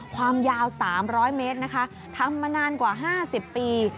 ความยาว๓๐๐เมตรนะคะทำมานานกว่า๕๐ปี